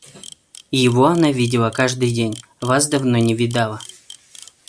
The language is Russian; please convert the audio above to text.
Его она видела каждый день, вас давно не видала.